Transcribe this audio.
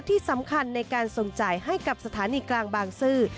ที่สำคัญในการส่งจ่ายให้กับสถานีกลางบางซื่อ